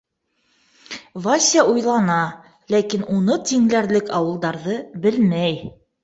— Вася уйлана, ләкин уны тиңләрлек ауылдарҙы белмәй.